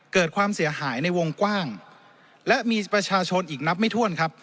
เกิดความเสียหายในวงกว้างและมีประชาชนอีกนับไม่ถ้วนครับ